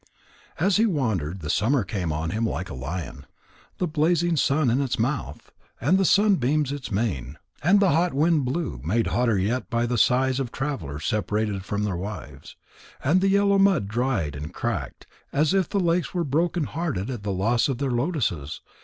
As he wandered, the summer came on him like a lion, the blazing sun its mouth, and the sunbeams its mane. And the hot wind blew, made hotter yet by the sighs of travellers separated from their wives. And the yellow mud dried and cracked, as if the lakes were broken hearted at the loss of their lotuses.